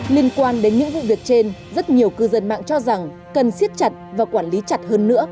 liên quan đến những vụ việc trên rất nhiều cư dân mạng cho rằng cần siết chặt và quản lý chặt hơn nữa